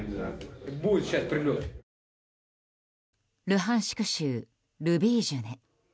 ルハンシク州ルビージュネ。